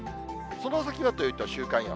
その先はというと、週間予報。